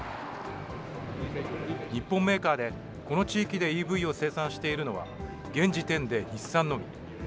日本メーカーでこの地域でＥＶを生産しているのは、現時点で日産のみ。